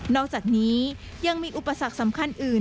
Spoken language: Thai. อกจากนี้ยังมีอุปสรรคสำคัญอื่น